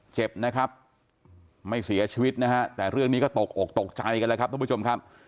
เจ็บนะครับไม่เสียชีวิตนะฮะแต่เรื่องนี้ก็ตกอกตกใจกันแล้วครับทุกผู้ชมครับ